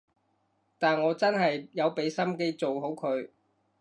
但我真係有畀心機做好佢